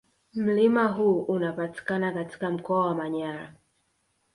Mlima huu unapatikana katika mkoa wa Manyara